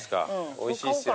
おいしいっすよね。